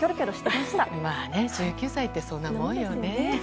まあね１９歳ってそんなもんよね。